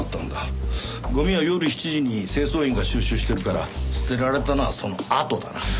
ゴミは夜７時に清掃員が収集してるから捨てられたのはそのあとだな。